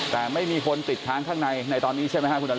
แต่ไม่มีคนติดค้างข้างในในตอนนี้ใช่ไหมครับคุณอนุ